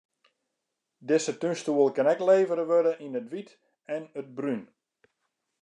Dizze túnstoel kin ek levere wurde yn it wyt en it brún.